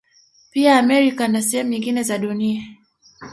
Pia Amerika na sehemu nyingine za Dunia